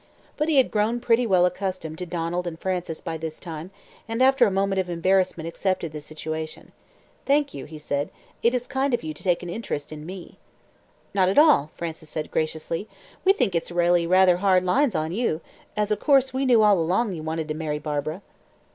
But he had grown pretty well accustomed to Donald and Frances by this time, and after a moment of embarrassment accepted the situation. "Thank you," he said, "it is kind of you to take an interest in me." "Not at all," Frances said graciously, "we think it's really rather hard lines on you, as, of course we knew all along you wanted to marry Barbara."